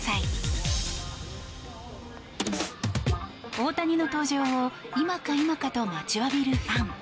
大谷の登場を今か今かと待ちわびるファン。